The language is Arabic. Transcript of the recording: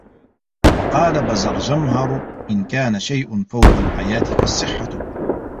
وَقَالَ بَزَرْجَمْهَرُ إنْ كَانَ شَيْءٌ فَوْقَ الْحَيَاةِ فَالصِّحَّةُ